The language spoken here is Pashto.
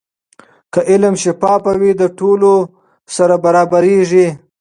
که علم شفاف وي، د ټولو سره برابریږي.